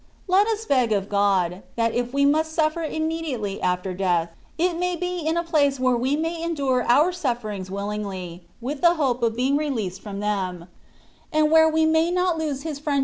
Let us beg of God, that if we must suflFer immediately after death, it may be in a place where we may endure our suf ferings willingly, with the hope of being released *'* Despedazada ir^ al infiemo